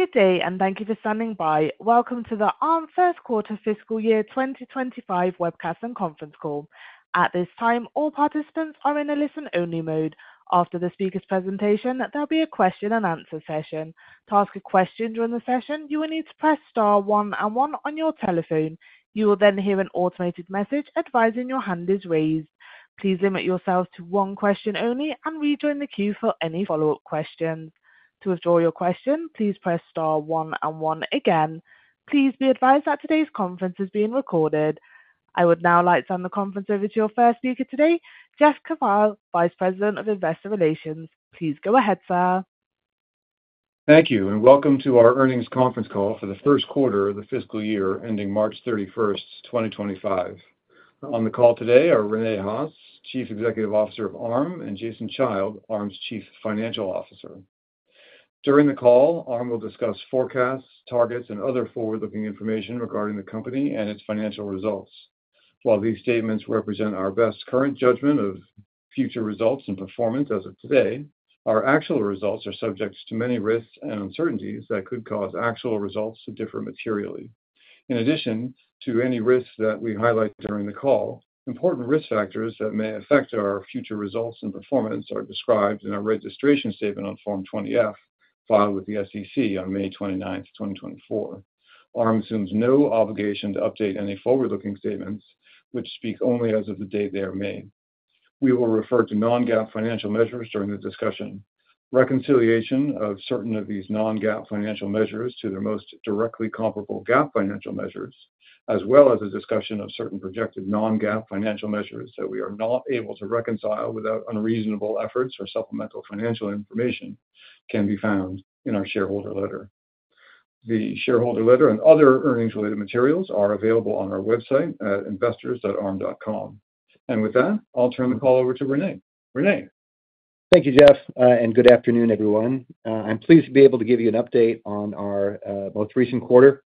Good day, and thank you for standing by. Welcome to the Arm First Quarter Fiscal Year 2025 Webcast and Conference Call. At this time, all participants are in a listen-only mode. After the speaker's presentation, there'll be a question-and-answer session. To ask a question during the session, you will need to press star one and one on your telephone. You will then hear an automated message advising your hand is raised. Please limit yourselves to one question only and rejoin the queue for any follow-up questions. To withdraw your question, please press star one and one again. Please be advised that today's conference is being recorded. I would now like to turn the conference over to your first speaker today, Jeff Kvaal, Vice President of Investor Relations. Please go ahead, sir. Thank you, and welcome to our earnings conference call for the first quarter of the fiscal year ending March 31st, 2025. On the call today are René Haas, Chief Executive Officer of Arm, and Jason Child, Arm's Chief Financial Officer. During the call, Arm will discuss forecasts, targets, and other forward-looking information regarding the company and its financial results. While these statements represent our best current judgment of future results and performance as of today, our actual results are subject to many risks and uncertainties that could cause actual results to differ materially. In addition to any risks that we highlight during the call, important risk factors that may affect our future results and performance are described in our registration statement on Form 20-F filed with the SEC on May 29th, 2024. Arm assumes no obligation to update any forward-looking statements, which speak only as of the date they are made. We will refer to non-GAAP financial measures during the discussion. Reconciliation of certain of these non-GAAP financial measures to their most directly comparable GAAP financial measures, as well as a discussion of certain projected non-GAAP financial measures that we are not able to reconcile without unreasonable efforts or supplemental financial information, can be found in our shareholder letter. The shareholder letter and other earnings-related materials are available on our website at investors.arm.com. With that, I'll turn the call over to René. René. Thank you, Jeff, and good afternoon, everyone. I'm pleased to be able to give you an update on our most recent quarter.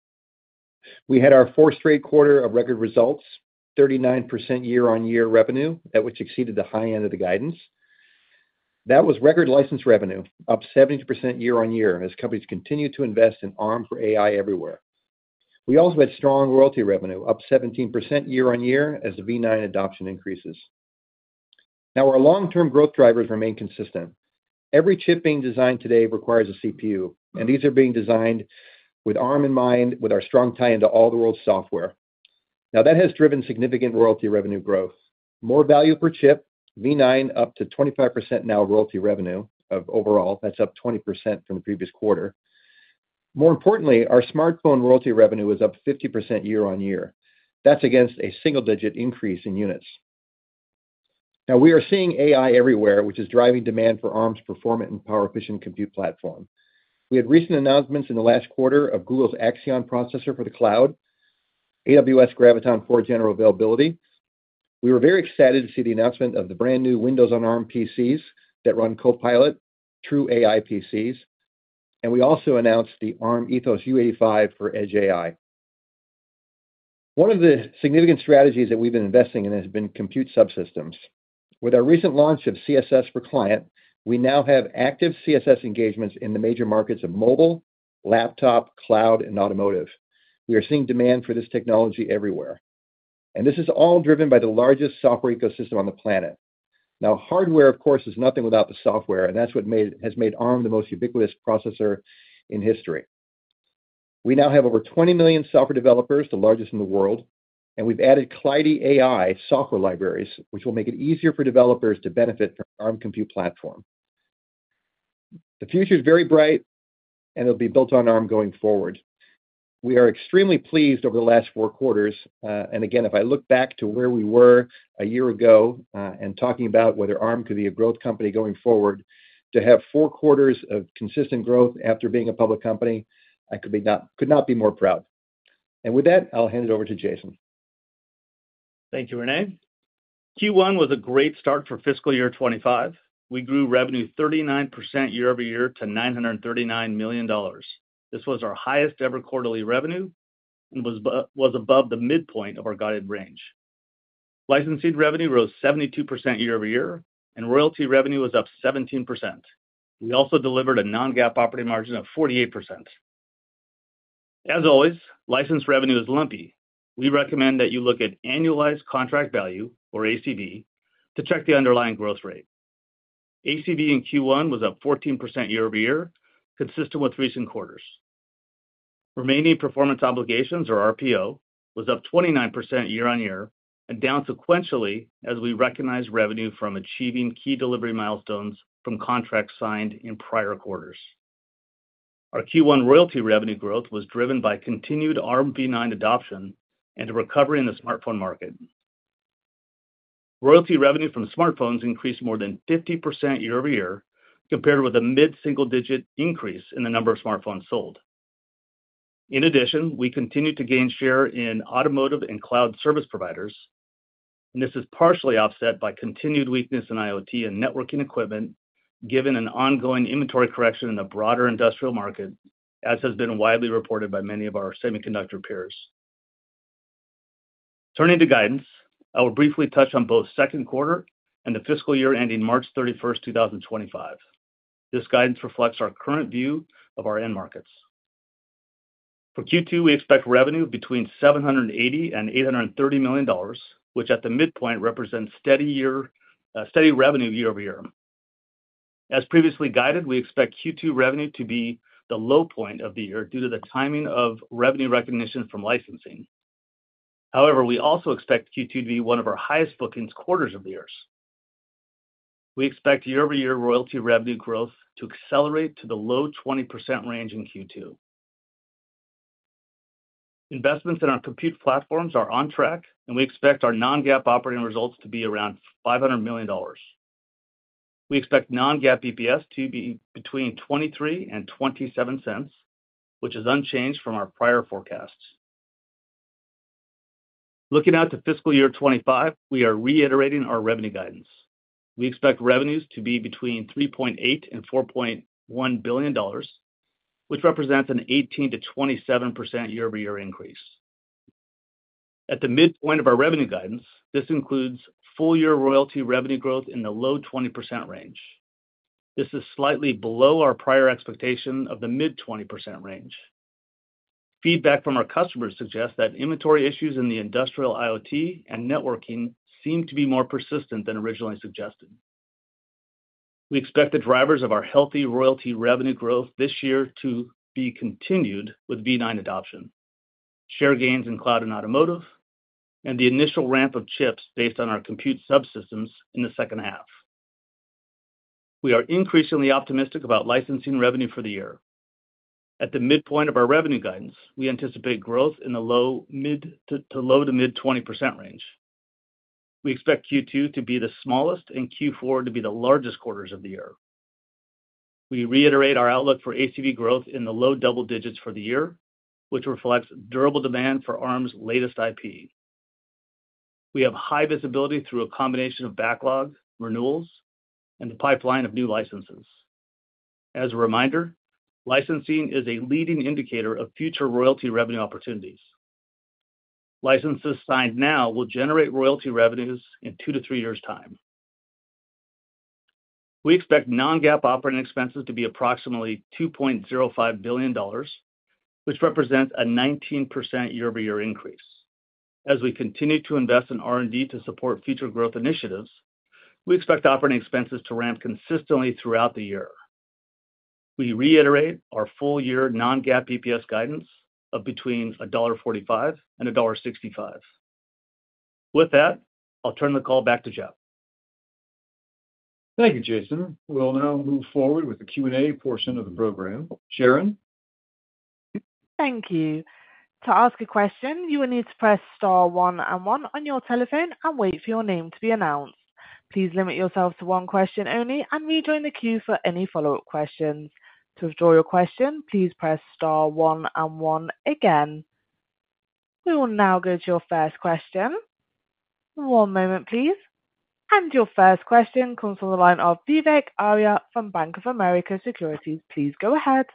We had our fourth straight quarter of record results, 39% year-on-year revenue that which exceeded the high end of the guidance. That was record license revenue, up 70% year-on-year as companies continue to invest in Arm for AI everywhere. We also had strong royalty revenue, up 17% year-on-year as the Armv9 adoption increases. Now, our long-term growth drivers remain consistent. Every chip being designed today requires a CPU, and these are being designed with Arm in mind, with our strong tie-in to all the world's software. Now, that has driven significant royalty revenue growth. More value per chip, Armv9 up to 25% now royalty revenue of overall. That's up 20% from the previous quarter. More importantly, our smartphone royalty revenue is up 50% year-on-year. That's against a single-digit increase in units. Now, we are seeing AI everywhere, which is driving demand for Arm's performance and power-efficient compute platform. We had recent announcements in the last quarter of Google's Axion processor for the cloud, AWS Graviton for general availability. We were very excited to see the announcement of the brand new Windows on Arm PCs that run Copilot, true AI PCs, and we also announced the Arm Ethos-U85 for Edge AI. One of the significant strategies that we've been investing in has been compute subsystems. With our recent launch of CSS for Client, we now have active CSS engagements in the major markets of mobile, laptop, cloud, and automotive. We are seeing demand for this technology everywhere. This is all driven by the largest software ecosystem on the planet. Now, hardware, of course, is nothing without the software, and that's what has made Arm the most ubiquitous processor in history. We now have over 20 million software developers, the largest in the world, and we've added Kleidi AI software libraries, which will make it easier for developers to benefit from Arm compute platform. The future is very bright, and it'll be built on Arm going forward. We are extremely pleased over the last four quarters. And again, if I look back to where we were a year ago and talking about whether Arm could be a growth company going forward, to have four quarters of consistent growth after being a public company, I could not be more proud. And with that, I'll hand it over to Jason. Thank you, René. Q1 was a great start for fiscal year 2025. We grew revenue 39% year-over-year to $939 million. This was our highest-ever quarterly revenue and was above the midpoint of our guided range. Licensing revenue rose 72% year-over-year, and royalty revenue was up 17%. We also delivered a non-GAAP operating margin of 48%. As always, license revenue is lumpy. We recommend that you look at annualized contract value, or ACV, to check the underlying growth rate. ACV in Q1 was up 14% year-over-year, consistent with recent quarters. Remaining performance obligations, or RPO, was up 29% year-over-year and down sequentially as we recognized revenue from achieving key delivery milestones from contracts signed in prior quarters. Our Q1 royalty revenue growth was driven by continued Armv9 adoption and a recovery in the smartphone market. Royalty revenue from smartphones increased more than 50% year-over-year, compared with a mid-single-digit increase in the number of smartphones sold. In addition, we continued to gain share in automotive and cloud service providers, and this is partially offset by continued weakness in IoT and networking equipment, given an ongoing inventory correction in the broader industrial market, as has been widely reported by many of our semiconductor peers. Turning to guidance, I will briefly touch on both second quarter and the fiscal year ending March 31st, 2025. This guidance reflects our current view of our end markets. For Q2, we expect revenue between $780 million-$830 million, which at the midpoint represents steady revenue year-over-year. As previously guided, we expect Q2 revenue to be the low point of the year due to the timing of revenue recognition from licensing. However, we also expect Q2 to be one of our highest bookings quarters of the year. We expect year-over-year royalty revenue growth to accelerate to the low 20% range in Q2. Investments in our compute platforms are on track, and we expect our non-GAAP operating results to be around $500 million. We expect non-GAAP EPS to be between $0.23-$0.27, which is unchanged from our prior forecasts. Looking out to fiscal year 2025, we are reiterating our revenue guidance. We expect revenues to be between $3.8 billion-$4.1 billion, which represents an 18%-27% year-over-year increase. At the midpoint of our revenue guidance, this includes full-year royalty revenue growth in the low 20% range. This is slightly below our prior expectation of the mid-20% range. Feedback from our customers suggests that inventory issues in the industrial IoT and networking seem to be more persistent than originally suggested. We expect the drivers of our healthy royalty revenue growth this year to be continued with Armv9 adoption, share gains in cloud and automotive, and the initial ramp of chips based on our compute subsystems in the second half. We are increasingly optimistic about licensing revenue for the year. At the midpoint of our revenue guidance, we anticipate growth in the low mid to low to mid-20% range. We expect Q2 to be the smallest and Q4 to be the largest quarters of the year. We reiterate our outlook for ACV growth in the low double digits for the year, which reflects durable demand for Arm's latest IP. We have high visibility through a combination of backlog, renewals, and the pipeline of new licenses. As a reminder, licensing is a leading indicator of future royalty revenue opportunities. Licenses signed now will generate royalty revenues in two to three years' time. We expect non-GAAP operating expenses to be approximately $2.05 billion, which represents a 19% year-over-year increase. As we continue to invest in R&D to support future growth initiatives, we expect operating expenses to ramp consistently throughout the year. We reiterate our full-year non-GAAP EPS guidance of between $1.45 and $1.65. With that, I'll turn the call back to Jeff. Thank you, Jason. We'll now move forward with the Q&A portion of the program. Sharon. Thank you. To ask a question, you will need to press star one and one on your telephone and wait for your name to be announced. Please limit yourself to one question only and rejoin the queue for any follow-up questions. To withdraw your question, please press star one and one again. We will now go to your first question. One moment, please. And your first question comes from the line of Vivek Arya from Bank of America Securities. Please go ahead.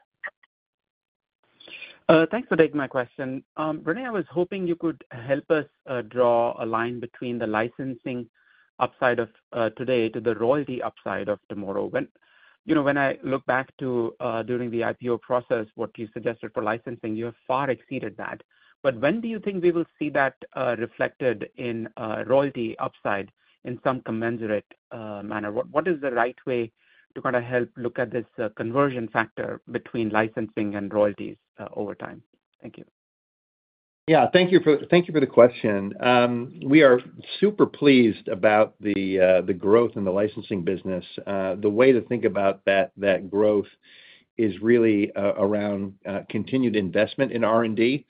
Thanks for taking my question. René, I was hoping you could help us draw a line between the licensing upside of today to the royalty upside of tomorrow. When I look back to during the IPO process, what you suggested for licensing, you have far exceeded that. But when do you think we will see that reflected in royalty upside in some commensurate manner? What is the right way to kind of help look at this conversion factor between licensing and royalties over time? Thank you. Yeah, thank you for the question. We are super pleased about the growth in the licensing business. The way to think about that growth is really around continued investment in R&D.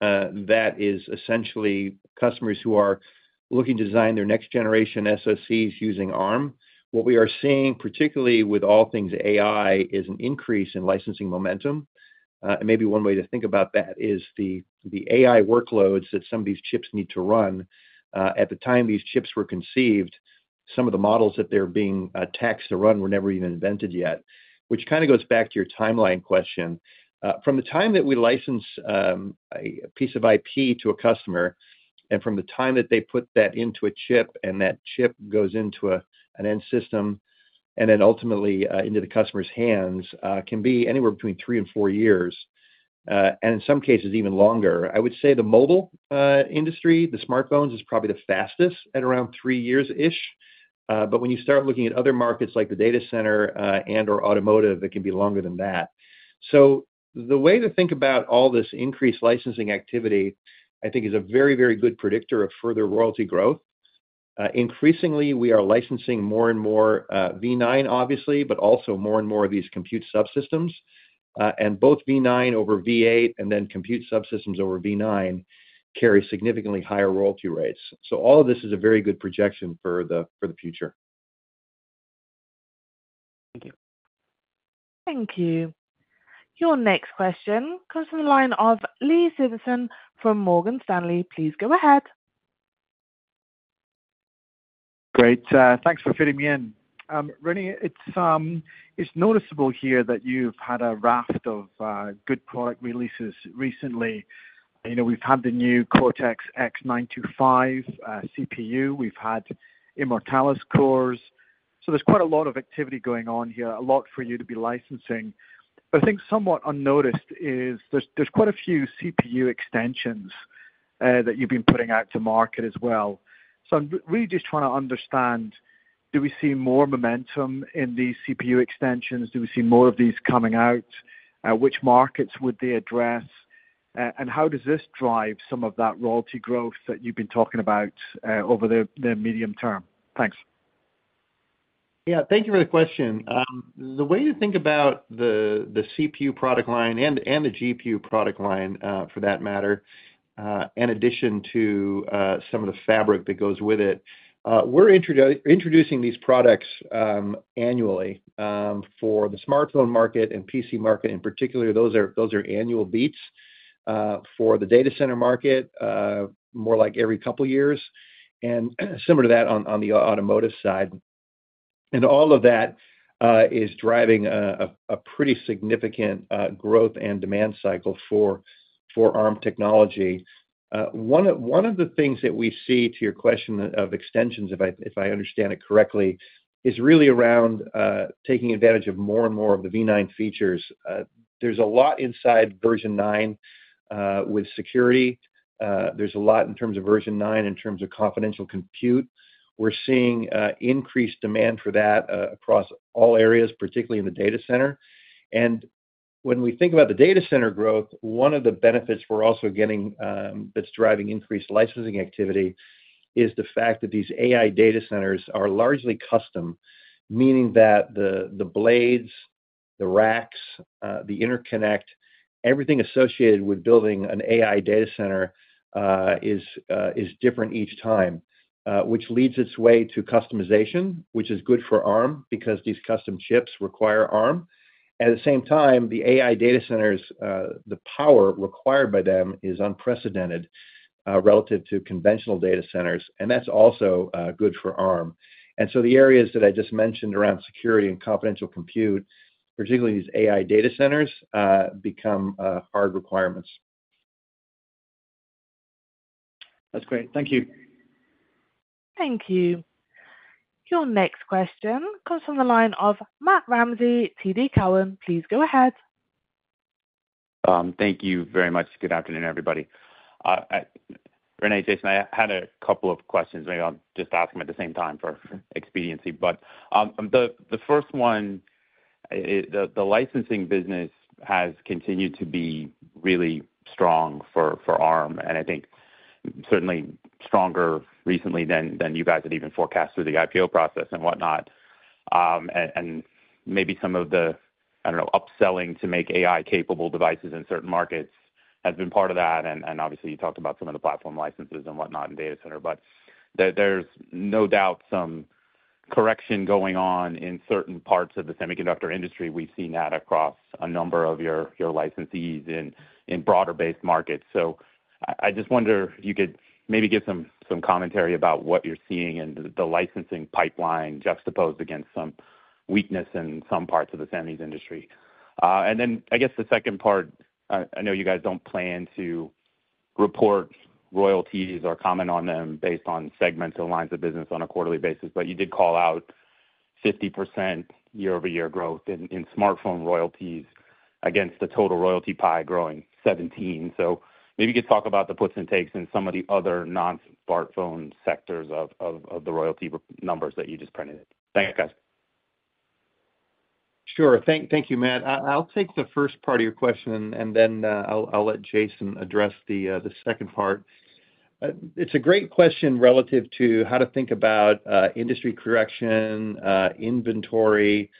That is essentially customers who are looking to design their next-generation SoCs using Arm. What we are seeing, particularly with all things AI, is an increase in licensing momentum. And maybe one way to think about that is the AI workloads that some of these chips need to run. At the time these chips were conceived, some of the models that they're being taxed to run were never even invented yet, which kind of goes back to your timeline question. From the time that we license a piece of IP to a customer and from the time that they put that into a chip and that chip goes into an end system and then ultimately into the customer's hands can be anywhere between three and four years, and in some cases even longer. I would say the mobile industry, the smartphones, is probably the fastest at around three years-ish. But when you start looking at other markets like the data center and/or automotive, it can be longer than that. So the way to think about all this increased licensing activity, I think, is a very, very good predictor of further royalty growth. Increasingly, we are licensing more and more Armv9, obviously, but also more and more of these compute subsystems. And both Armv9 over Armv8 and then compute subsystems over Armv9 carry significantly higher royalty rates. So all of this is a very good projection for the future. Thank you. Thank you. Your next question comes from the line of Lee Simpson from Morgan Stanley. Please go ahead. Great. Thanks for fitting me in. René, it's noticeable here that you've had a raft of good product releases recently. We've had the new Cortex-X925 CPU. We've had Immortalis cores. So there's quite a lot of activity going on here, a lot for you to be licensing. But I think somewhat unnoticed is there's quite a few CPU extensions that you've been putting out to market as well. So I'm really just trying to understand, do we see more momentum in these CPU extensions? Do we see more of these coming out? Which markets would they address? And how does this drive some of that royalty growth that you've been talking about over the medium term? Thanks. Yeah, thank you for the question. The way to think about the CPU product line and the GPU product line for that matter, in addition to some of the fabric that goes with it, we're introducing these products annually for the smartphone market and PC market in particular. Those are annual beats for the data center market, more like every couple of years, and similar to that on the automotive side. All of that is driving a pretty significant growth and demand cycle for Arm technology. One of the things that we see to your question of extensions, if I understand it correctly, is really around taking advantage of more and more of the Armv9 features. There's a lot inside Version 9 with security. There's a lot in terms of Version 9 in terms of confidential compute. We're seeing increased demand for that across all areas, particularly in the data center. When we think about the data center growth, one of the benefits we're also getting that's driving increased licensing activity is the fact that these AI data centers are largely custom, meaning that the blades, the racks, the interconnect, everything associated with building an AI data center is different each time, which leads its way to customization, which is good for Arm because these custom chips require Arm. At the same time, the AI data centers, the power required by them is unprecedented relative to conventional data centers, and that's also good for Arm. So the areas that I just mentioned around security and Confidential Compute, particularly these AI data centers, become hard requirements. That's great. Thank you. Thank you. Your next question comes from the line of Matt Ramsey, TD Cowen. Please go ahead. Thank you very much. Good afternoon, everybody. René, Jason, I had a couple of questions. Maybe I'll just ask them at the same time for expediency. But the first one, the licensing business has continued to be really strong for Arm, and I think certainly stronger recently than you guys had even forecast through the IPO process and whatnot. And maybe some of the, I don't know, upselling to make AI-capable devices in certain markets has been part of that. And obviously, you talked about some of the platform licenses and whatnot in data center. But there's no doubt some correction going on in certain parts of the semiconductor industry. We've seen that across a number of your licensees in broader-based markets. So I just wonder if you could maybe give some commentary about what you're seeing in the licensing pipeline juxtaposed against some weakness in some parts of the semis industry. And then I guess the second part, I know you guys don't plan to report royalties or comment on them based on segments of lines of business on a quarterly basis, but you did call out 50% year-over-year growth in smartphone royalties against the total royalty pie growing 17%. So maybe you could talk about the puts and takes in some of the other non-smartphone sectors of the royalty numbers that you just printed. Thanks, guys. Sure. Thank you, Matt. I'll take the first part of your question, and then I'll let Jason address the second part. It's a great question relative to how to think about industry correction, inventory,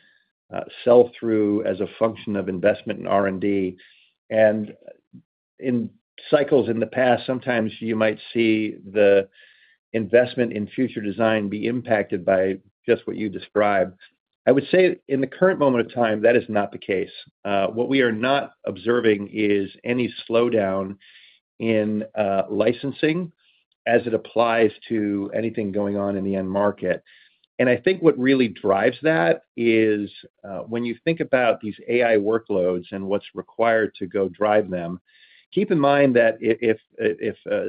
sell-through as a function of investment in R&D. In cycles in the past, sometimes you might see the investment in future design be impacted by just what you described. I would say in the current moment of time, that is not the case. What we are not observing is any slowdown in licensing as it applies to anything going on in the end market. I think what really drives that is when you think about these AI workloads and what's required to go drive them, keep in mind that if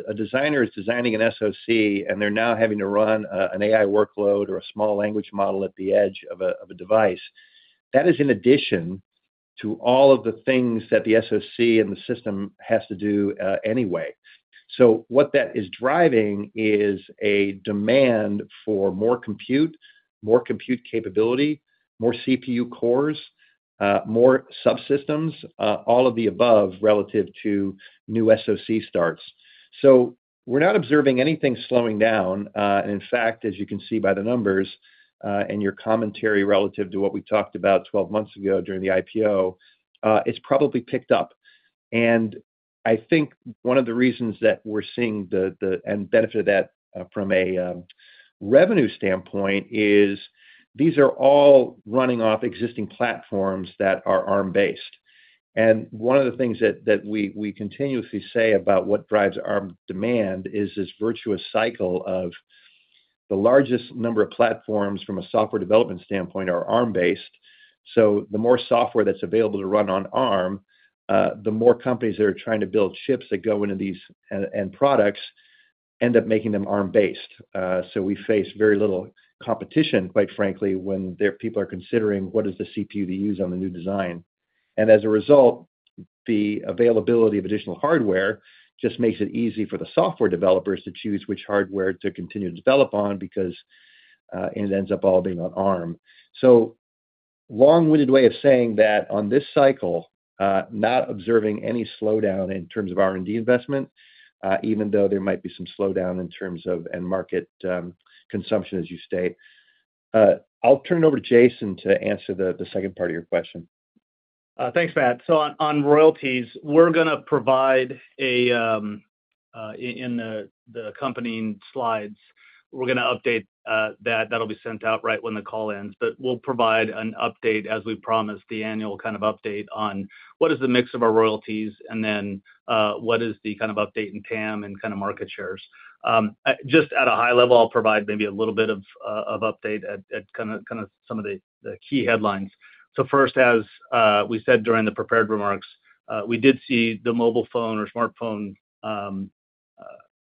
a designer is designing a SoC and they're now having to run an AI workload or a small language model at the edge of a device, that is in addition to all of the things that the SoC and the system has to do anyway. So what that is driving is a demand for more compute, more compute capability, more CPU cores, more subsystems, all of the above relative to new SoC starts. So we're not observing anything slowing down. In fact, as you can see by the numbers and your commentary relative to what we talked about 12 months ago during the IPO, it's probably picked up. And I think one of the reasons that we're seeing the benefit of that from a revenue standpoint is these are all running off existing platforms that are Arm-based. And one of the things that we continuously say about what drives Arm demand is this virtuous cycle of the largest number of platforms from a software development standpoint are Arm-based. So the more software that's available to run on Arm, the more companies that are trying to build chips that go into these end products end up making them Arm-based. So we face very little competition, quite frankly, when people are considering what is the CPU to use on the new design. And as a result, the availability of additional hardware just makes it easy for the software developers to choose which hardware to continue to develop on because it ends up all being on Arm. So long-winded way of saying that on this cycle, not observing any slowdown in terms of R&D investment, even though there might be some slowdown in terms of end market consumption, as you state. I'll turn it over to Jason to answer the second part of your question. Thanks, Matt. So on royalties, we're going to provide in the accompanying slides, we're going to update that. That'll be sent out right when the call ends. But we'll provide an update, as we promised, the annual kind of update on what is the mix of our royalties, and then what is the kind of update in TAM and kind of market shares. Just at a high level, I'll provide maybe a little bit of update at kind of some of the key headlines. So first, as we said during the prepared remarks, we did see the mobile phone or smartphone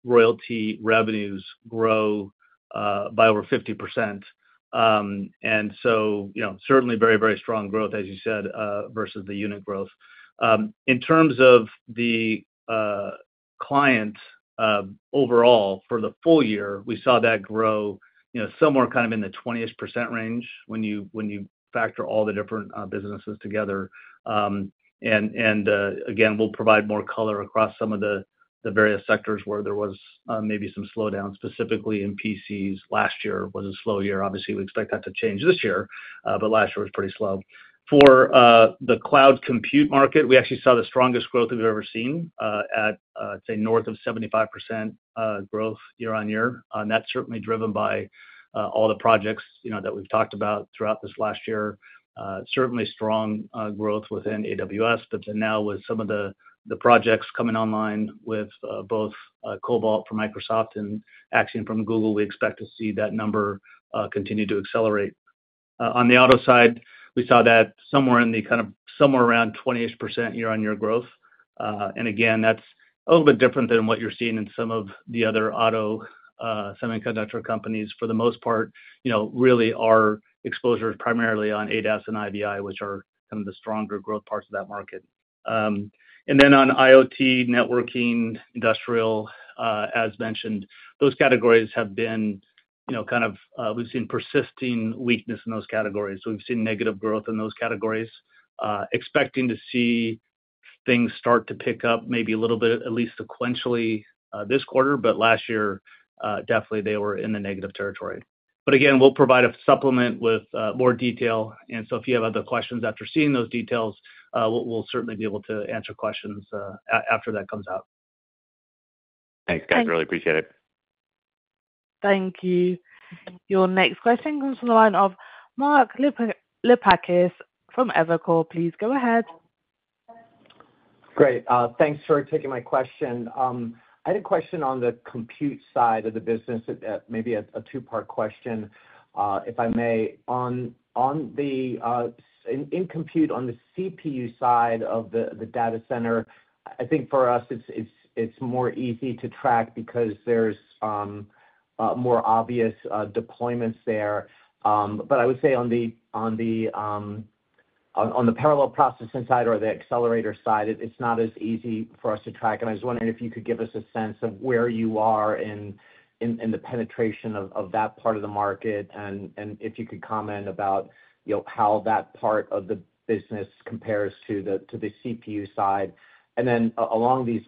royalty revenues grow by over 50%. And so certainly very, very strong growth, as you said, versus the unit growth. In terms of the client overall for the full year, we saw that grow somewhere kind of in the 20%-ish range when you factor all the different businesses together. Again, we'll provide more color across some of the various sectors where there was maybe some slowdown, specifically in PCs. Last year was a slow year. Obviously, we expect that to change this year, but last year was pretty slow. For the cloud compute market, we actually saw the strongest growth we've ever seen at, I'd say, north of 75% growth year on year. And that's certainly driven by all the projects that we've talked about throughout this last year. Certainly strong growth within AWS, but now with some of the projects coming online with both Cobalt from Microsoft and Axion from Google, we expect to see that number continue to accelerate. On the auto side, we saw that somewhere in the kind of somewhere around 20%-ish year-on-year growth. And again, that's a little bit different than what you're seeing in some of the other auto semiconductor companies. For the most part, really, our exposure is primarily on ADAS and IVI, which are kind of the stronger growth parts of that market. And then on IoT, networking, industrial, as mentioned, those categories have been kind of we've seen persisting weakness in those categories. We've seen negative growth in those categories. Expecting to see things start to pick up maybe a little bit, at least sequentially, this quarter, but last year, definitely they were in the negative territory. But again, we'll provide a supplement with more detail. And so if you have other questions after seeing those details, we'll certainly be able to answer questions after that comes out. Thanks, guys. Really appreciate it. Thank you. Your next question comes from the line of Mark Lipacis from Evercore. Please go ahead. Great. Thanks for taking my question. I had a question on the compute side of the business, maybe a two-part question, if I may. In compute, on the CPU side of the data center, I think for us, it's more easy to track because there's more obvious deployments there. But I would say on the parallel processing side or the accelerator side, it's not as easy for us to track. And I was wondering if you could give us a sense of where you are in the penetration of that part of the market and if you could comment about how that part of the business compares to the CPU side. And then along these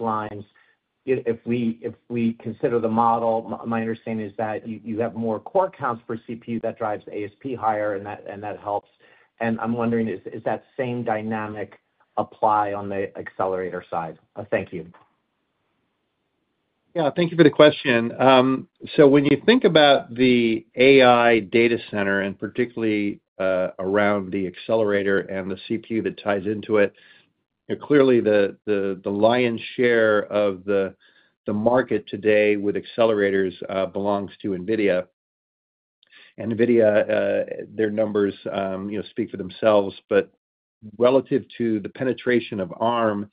lines, if we consider the model, my understanding is that you have more core counts per CPU that drives ASP higher, and that helps. I'm wondering, does that same dynamic apply on the accelerator side? Thank you. Yeah, thank you for the question. So when you think about the AI data center, and particularly around the accelerator and the CPU that ties into it, clearly the lion's share of the market today with accelerators belongs to NVIDIA. And NVIDIA, their numbers speak for themselves. But relative to the penetration of Arm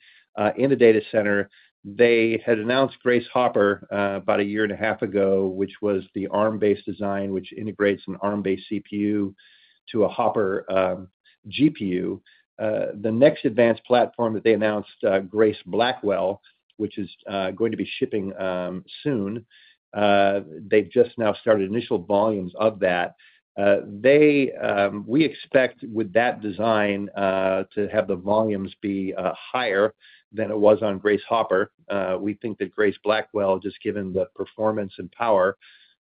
in the data center, they had announced Grace Hopper about a year and a half ago, which was the Arm-based design, which integrates an Arm-based CPU to a Hopper GPU. The next advanced platform that they announced, Grace Blackwell, which is going to be shipping soon, they've just now started initial volumes of that. We expect with that design to have the volumes be higher than it was on Grace Hopper. We think that Grace Blackwell, just given the performance and power,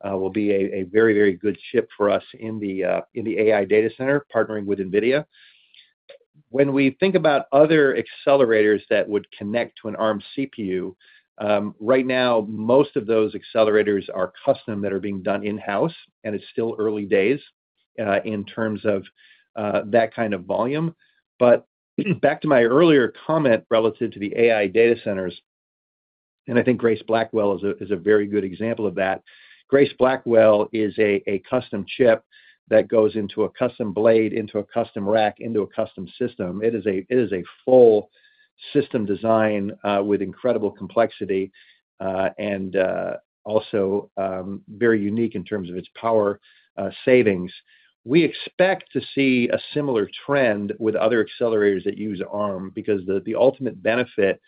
will be a very, very good ship for us in the AI data center partnering with NVIDIA. When we think about other accelerators that would connect to an Arm CPU, right now, most of those accelerators are custom that are being done in-house, and it's still early days in terms of that kind of volume. But back to my earlier comment relative to the AI data centers, and I think Grace Blackwell is a very good example of that. Grace Blackwell is a custom chip that goes into a custom blade, into a custom rack, into a custom system. It is a full system design with incredible complexity and also very unique in terms of its power savings. We expect to see a similar trend with other accelerators that use Arm because the ultimate benefit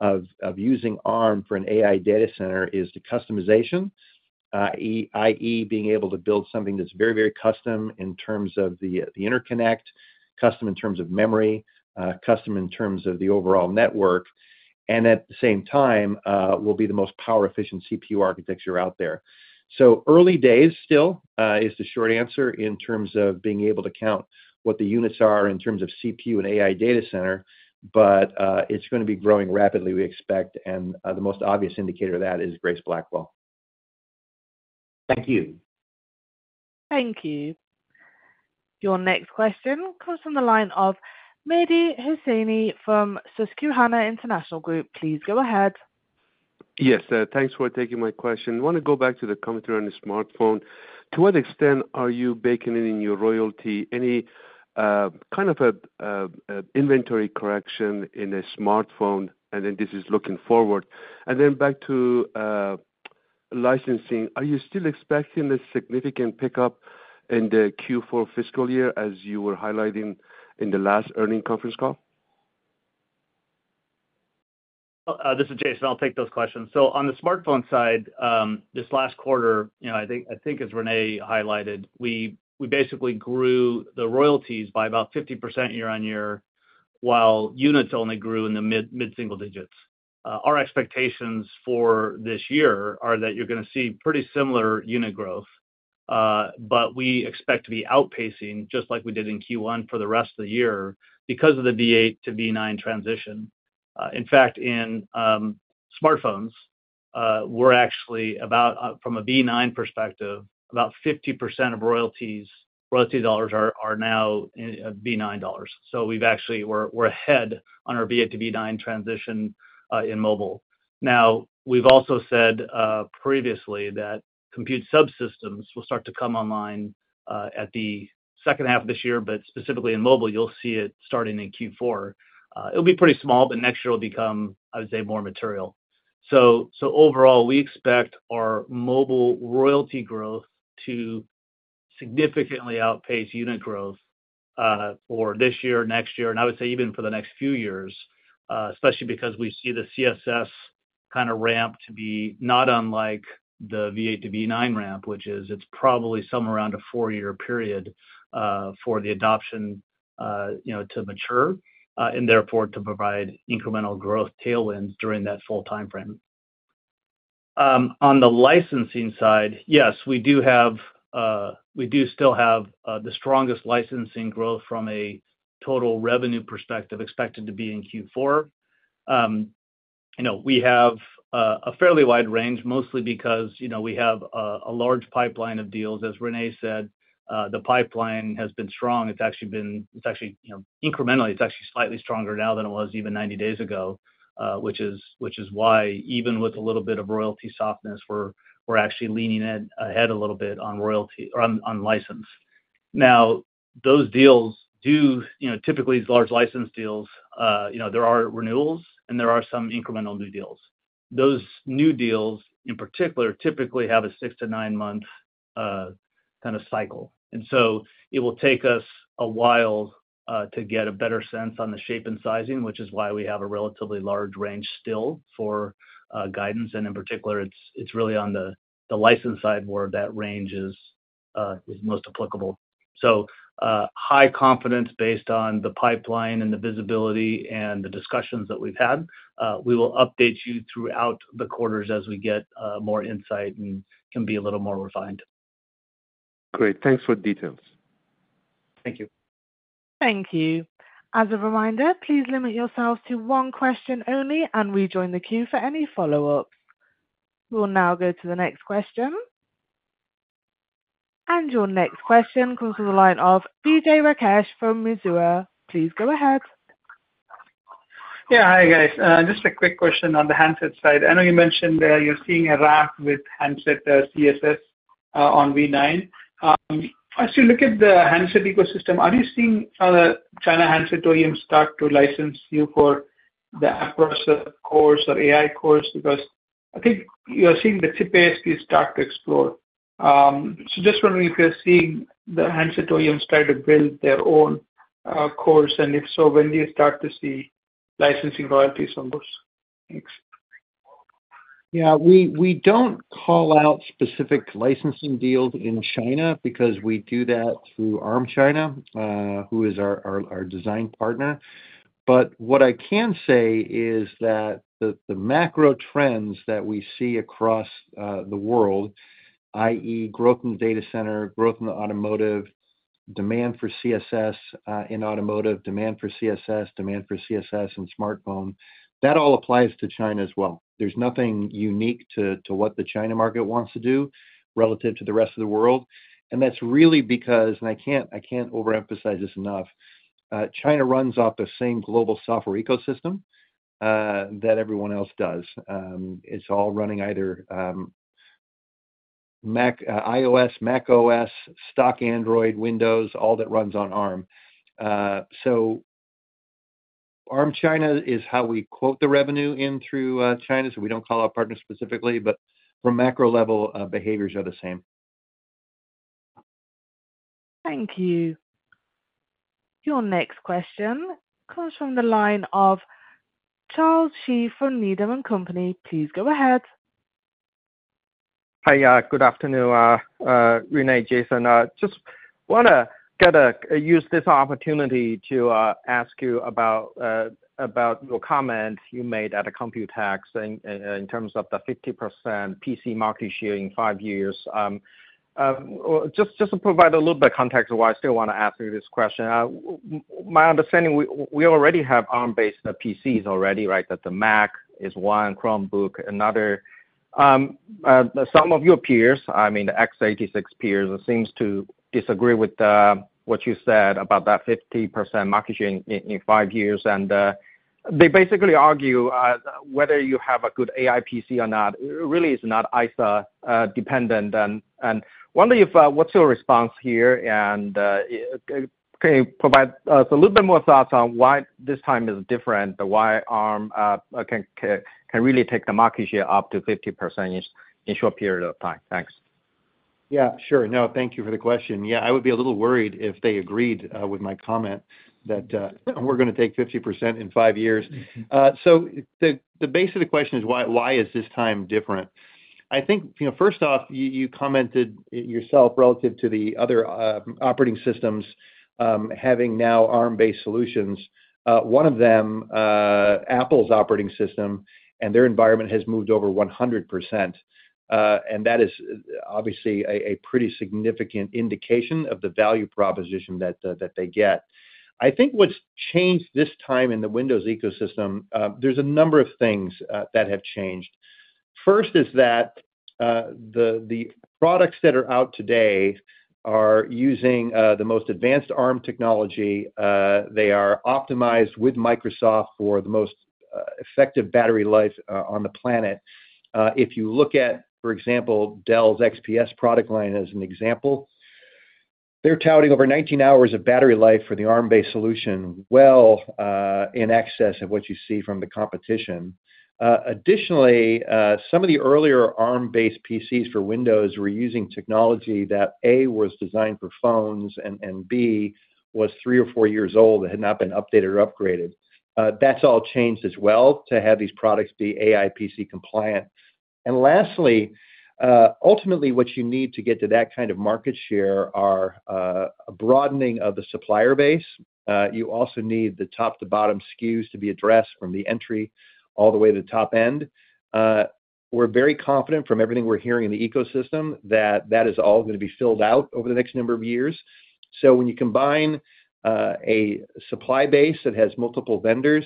of using Arm for an AI data center is the customization, i.e., being able to build something that's very, very custom in terms of the interconnect, custom in terms of memory, custom in terms of the overall network, and at the same time, will be the most power-efficient CPU architecture out there. So early days still is the short answer in terms of being able to count what the units are in terms of CPU and AI data center, but it's going to be growing rapidly, we expect. The most obvious indicator of that is Grace Blackwell. Thank you. Thank you. Your next question comes from the line of Mehdi Hosseini from Susquehanna International Group. Please go ahead. Yes, thanks for taking my question. I want to go back to the commentary on the smartphone. To what extent are you baking in your royalty? Any kind of an inventory correction in a smartphone? And then this is looking forward. And then back to licensing, are you still expecting a significant pickup in the Q4 fiscal year as you were highlighting in the last earnings conference call? This is Jason. I'll take those questions. So on the smartphone side, this last quarter, I think, as René highlighted, we basically grew the royalties by about 50% year on year, while units only grew in the mid-single digits. Our expectations for this year are that you're going to see pretty similar unit growth, but we expect to be outpacing, just like we did in Q1, for the rest of the year because of the Armv8 to Armv9 transition. In fact, in smartphones, we're actually about, from a Armv9 perspective, about 50% of royalties dollars are now Armv9 dollars. So we're ahead on our Armv8 to Armv9 transition in mobile. Now, we've also said previously that compute subsystems will start to come online at the second half of this year, but specifically in mobile, you'll see it starting in Q4. It'll be pretty small, but next year will become, I would say, more material. So overall, we expect our mobile royalty growth to significantly outpace unit growth for this year, next year, and I would say even for the next few years, especially because we see the CSS kind of ramp to be not unlike the Armv8 to Armv9 ramp, which is it's probably somewhere around a four-year period for the adoption to mature and therefore to provide incremental growth tailwinds during that full timeframe. On the licensing side, yes, we do still have the strongest licensing growth from a total revenue perspective expected to be in Q4. We have a fairly wide range, mostly because we have a large pipeline of deals. As René said, the pipeline has been strong. It's actually incrementally, it's actually slightly stronger now than it was even 90 days ago, which is why, even with a little bit of royalty softness, we're actually leaning ahead a little bit on license. Now, those deals do typically large license deals, there are renewals, and there are some incremental new deals. Those new deals, in particular, typically have a 6- to 9-month kind of cycle. And so it will take us a while to get a better sense on the shape and sizing, which is why we have a relatively large range still for guidance. And in particular, it's really on the license side where that range is most applicable. So high confidence based on the pipeline and the visibility and the discussions that we've had. We will update you throughout the quarters as we get more insight and can be a little more refined. Great. Thanks for the details. Thank you. Thank you. As a reminder, please limit yourselves to one question only, and we join the queue for any follow-ups. We'll now go to the next question. Your next question comes from the line of Vijay Rakesh from Mizuho. Please go ahead. Yeah, hi guys. Just a quick question on the handset side. I know you mentioned you're seeing a ramp with handset CSS on Armv9. As you look at the handset ecosystem, are you seeing China handset OEMs start to license you for the application processor core or AI core? Because I think you're seeing the chip makers start to explore. So just wondering if you're seeing the handset OEMs try to build their own core, and if so, when do you start to see licensing royalties on those? Yeah, we don't call out specific licensing deals in China because we do that through Arm China, who is our design partner. But what I can say is that the macro trends that we see across the world, i.e., growth in the data center, growth in the automotive, demand for CSS in automotive, demand for CSS, demand for CSS in smartphone, that all applies to China as well. There's nothing unique to what the China market wants to do relative to the rest of the world. And that's really because, and I can't overemphasize this enough, China runs off the same global software ecosystem that everyone else does. It's all running either iOS, macOS, stock Android, Windows, all that runs on Arm. So Arm China is how we quote the revenue in through China. So we don't call out partners specifically, but from macro level, behaviors are the same. Thank you. Your next question comes from the line of Charles Shi from Needham & Company. Please go ahead. Hi, good afternoon, René, Jason. Just want to use this opportunity to ask you about your comment you made at Computex in terms of the 50% PC market share in five years. Just to provide a little bit of context of why I still want to ask you this question. My understanding, we already have Arm-based PCs already, right? That the Mac is one, Chromebook another. Some of your peers, I mean, the x86 peers, seem to disagree with what you said about that 50% market share in five years. And they basically argue whether you have a good AI PC or not really is not ISA dependent. And I wonder what's your response here and can you provide us a little bit more thoughts on why this time is different, why Arm can really take the market share up to 50% in a short period of time? Thanks. Yeah, sure. No, thank you for the question. Yeah, I would be a little worried if they agreed with my comment that we're going to take 50% in five years. So the base of the question is why is this time different? I think, first off, you commented yourself relative to the other operating systems having now Arm-based solutions. One of them, Apple's operating system, and their environment has moved over 100%. And that is obviously a pretty significant indication of the value proposition that they get. I think what's changed this time in the Windows ecosystem, there's a number of things that have changed. First is that the products that are out today are using the most advanced Arm technology. They are optimized with Microsoft for the most effective battery life on the planet. If you look at, for example, Dell's XPS product line as an example, they're touting over 19 hours of battery life for the Arm-based solution, well in excess of what you see from the competition. Additionally, some of the earlier Arm-based PCs for Windows were using technology that, A, was designed for phones and, B, was three or four years old that had not been updated or upgraded. That's all changed as well to have these products be AI PC compliant. And lastly, ultimately, what you need to get to that kind of market share are a broadening of the supplier base. You also need the top-to-bottom SKUs to be addressed from the entry all the way to the top end. We're very confident from everything we're hearing in the ecosystem that that is all going to be filled out over the next number of years. When you combine a supply base that has multiple vendors,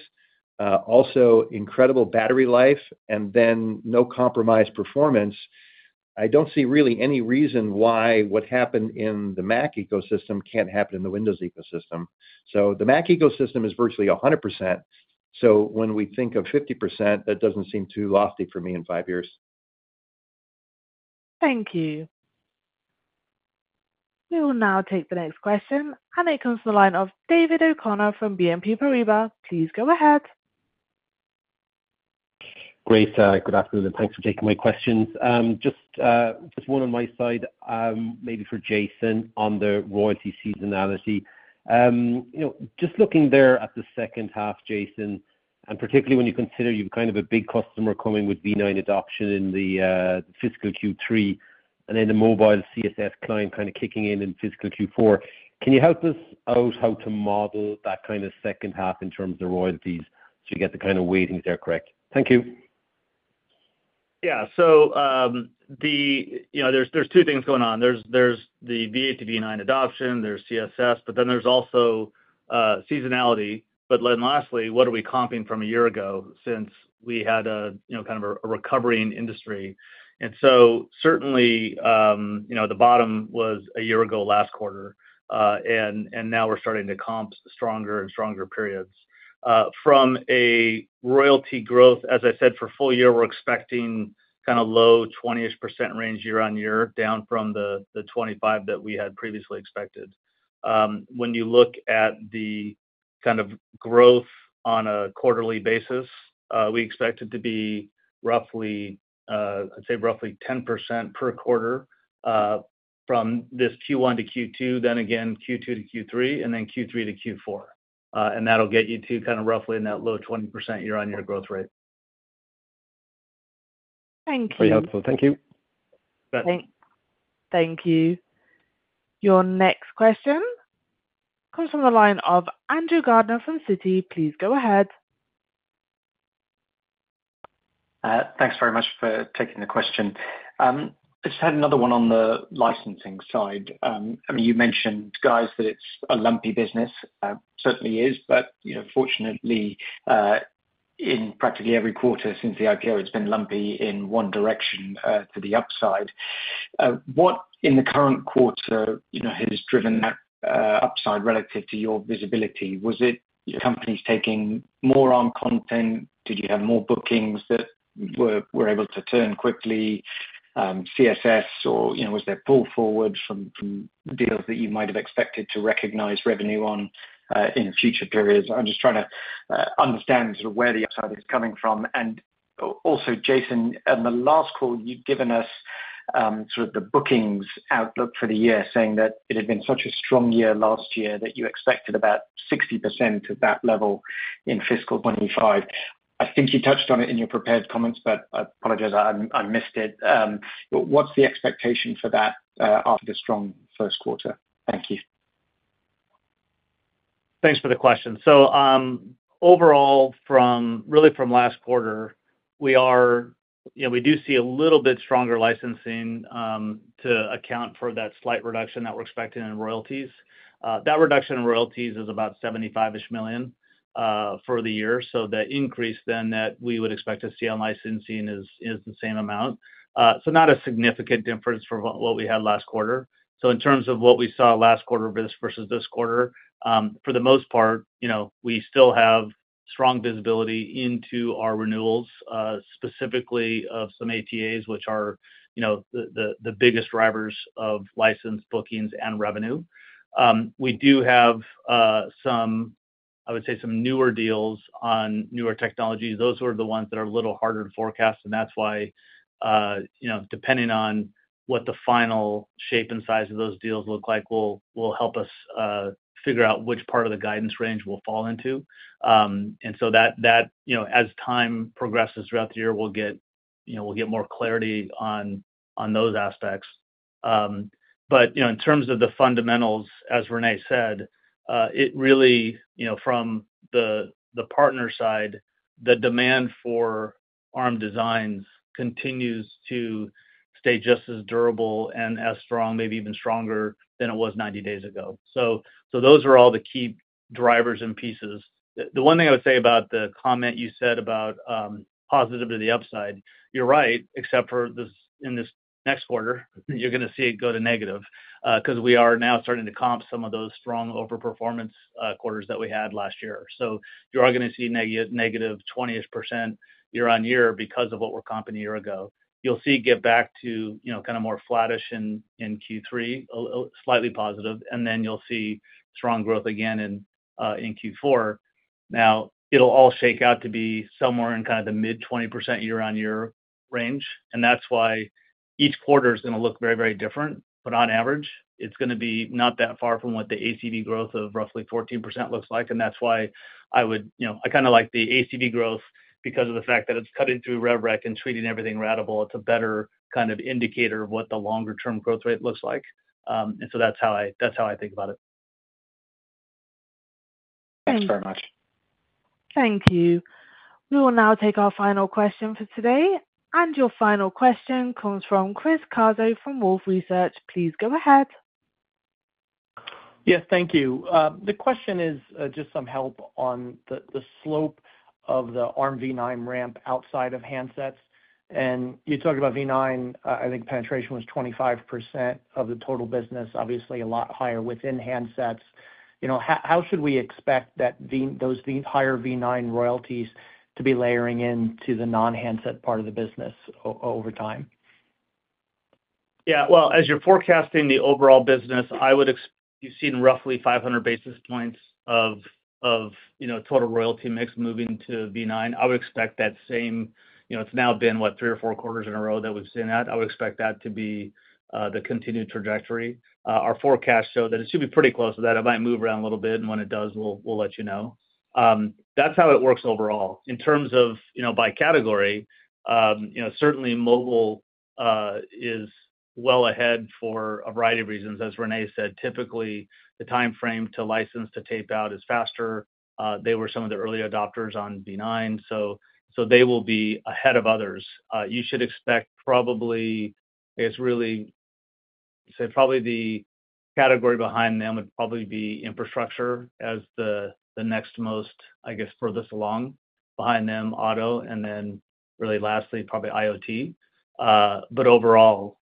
also incredible battery life, and then no compromised performance, I don't see really any reason why what happened in the Mac ecosystem can't happen in the Windows ecosystem. The Mac ecosystem is virtually 100%. When we think of 50%, that doesn't seem too lofty for me in five years. Thank you. We will now take the next question. It comes from the line of David O'Connor from BNP Paribas. Please go ahead. Great. Good afternoon, and thanks for taking my questions. Just one on my side, maybe for Jason on the royalty seasonality. Just looking there at the second half, Jason, and particularly when you consider you're kind of a big customer coming with Armv9 adoption in the fiscal Q3 and then the mobile CSS for Client kind of kicking in in fiscal Q4, can you help us out how to model that kind of second half in terms of royalties so you get the kind of weightings there correct? Thank you. Yeah. So there's two things going on. There's the Armv8 to Armv9 adoption, there's CSS, but then there's also seasonality. But then lastly, what are we comping from a year ago since we had kind of a recovering industry? And so certainly, the bottom was a year ago last quarter, and now we're starting to comp stronger and stronger periods. From a royalty growth, as I said, for full year, we're expecting kind of low 20-ish % range year-on-year, down from the 25% that we had previously expected. When you look at the kind of growth on a quarterly basis, we expect it to be roughly, I'd say roughly 10% per quarter from this Q1 to Q2, then again Q2 to Q3, and then Q3 to Q4. And that'll get you to kind of roughly in that low 20% year-on-year growth rate. Thank you. Very helpful. Thank you. Thank you. Your next question comes from the line of Andrew Gardiner from Citi. Please go ahead. Thanks very much for taking the question. I just had another one on the licensing side. I mean, you mentioned, guys, that it's a lumpy business. It certainly is, but fortunately, in practically every quarter since the IPO, it's been lumpy in one direction to the upside. What in the current quarter has driven that upside relative to your visibility? Was it companies taking more Arm content? Did you have more bookings that were able to turn quickly? CSS, or was there pull forwards from deals that you might have expected to recognize revenue on in future periods? I'm just trying to understand sort of where the upside is coming from. Also, Jason, on the last call, you've given us sort of the bookings outlook for the year, saying that it had been such a strong year last year that you expected about 60% of that level in fiscal 2025. I think you touched on it in your prepared comments, but I apologize, I missed it. What's the expectation for that after the strong first quarter? Thank you. Thanks for the question. So overall, really from last quarter, we do see a little bit stronger licensing to account for that slight reduction that we're expecting in royalties. That reduction in royalties is about $75 million for the year. So the increase then that we would expect to see on licensing is the same amount. So not a significant difference from what we had last quarter. So in terms of what we saw last quarter versus this quarter, for the most part, we still have strong visibility into our renewals, specifically of some ATAs, which are the biggest drivers of license bookings and revenue. We do have some, I would say, some newer deals on newer technologies. Those are the ones that are a little harder to forecast. And that's why, depending on what the final shape and size of those deals look like, will help us figure out which part of the guidance range we'll fall into. And so that, as time progresses throughout the year, we'll get more clarity on those aspects. But in terms of the fundamentals, as René said, it really, from the partner side, the demand for Arm designs continues to stay just as durable and as strong, maybe even stronger than it was 90 days ago. So those are all the key drivers and pieces. The one thing I would say about the comment you said about positive to the upside, you're right, except for in this next quarter, you're going to see it go to negative because we are now starting to comp some of those strong overperformance quarters that we had last year. So you are going to see negative 20-ish% year-on-year because of what we're comping a year ago. You'll see it get back to kind of more flattish in Q3, slightly positive, and then you'll see strong growth again in Q4. Now, it'll all shake out to be somewhere in kind of the mid-20% year-on-year range. And that's why each quarter is going to look very, very different. But on average, it's going to be not that far from what the ACV growth of roughly 14% looks like. And that's why I would I kind of like the ACV growth because of the fact that it's cutting through rev rec and treating everything ratable. It's a better kind of indicator of what the longer-term growth rate looks like. And so that's how I think about it. Thanks very much. Thank you. We will now take our final question for today. Your final question comes from Chris Caso from Wolfe Research. Please go ahead. Yes, thank you. The question is just some help on the slope of the Armv9 ramp outside of handsets. You talked about Armv9, I think penetration was 25% of the total business, obviously a lot higher within handsets. How should we expect those higher Armv9 royalties to be layering into the non-handset part of the business over time? Yeah. Well, as you're forecasting the overall business, I would expect you've seen roughly 500 basis points of total royalty mix moving to Armv9. I would expect that same it's now been, what, three or four quarters in a row that we've seen that. I would expect that to be the continued trajectory. Our forecasts show that it should be pretty close to that. It might move around a little bit. And when it does, we'll let you know. That's how it works overall. In terms of by category, certainly mobile is well ahead for a variety of reasons. As René said, typically the time frame to license to tape out is faster. They were some of the early adopters on Armv9. So they will be ahead of others. You should expect probably, I guess, really say probably the category behind them would probably be infrastructure as the next most, I guess, furthest along behind them, auto, and then really lastly, probably IoT. But overall,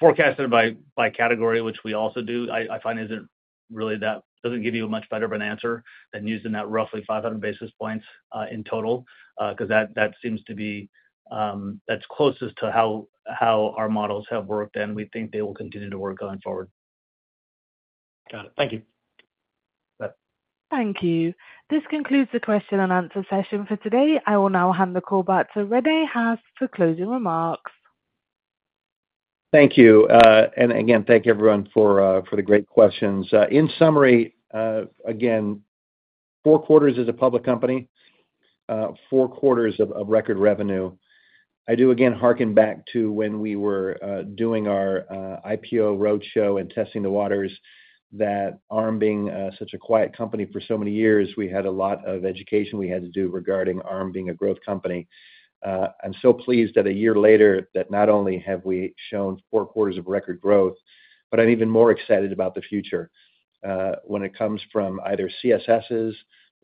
forecasted by category, which we also do, I find isn't really that doesn't give you a much better of an answer than using that roughly 500 basis points in total because that seems to be that's closest to how our models have worked, and we think they will continue to work going forward. Got it. Thank you. Thank you. This concludes the question-and-answer session for today. I will now hand the call back to René Haas for closing remarks. Thank you. Again, thank you everyone for the great questions. In summary, again, four quarters is a public company, four quarters of record revenue. I do, again, hearken back to when we were doing our IPO roadshow and testing the waters that Arm being such a quiet company for so many years, we had a lot of education we had to do regarding Arm being a growth company. I'm so pleased that a year later that not only have we shown four quarters of record growth, but I'm even more excited about the future. When it comes from either CSSs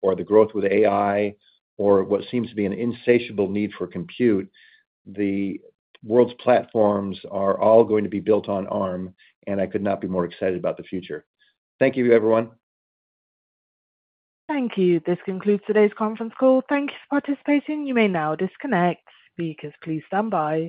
or the growth with AI or what seems to be an insatiable need for compute, the world's platforms are all going to be built on Arm, and I could not be more excited about the future. Thank you, everyone. Thank you. This concludes today's conference call. Thank you for participating. You may now disconnect. Speakers, please stand by.